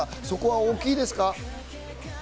それは大きいですか？